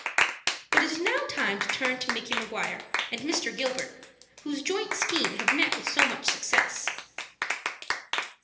But it is now time to turn to Micky Maguire and Mr. Gilbert, whose joint scheme had met with so much success.